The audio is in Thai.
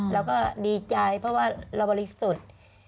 เราก็ดีใจเพราะว่าเราบริสุทธิ์